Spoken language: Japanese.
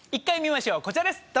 １回見ましょうこちらです